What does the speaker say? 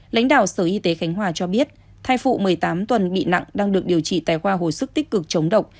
lãnh đạo sở y tế khánh hòa cho biết thai phụ một mươi tám tuần bị nặng đang được điều trị tại khoa hồi sức tích cực chống độc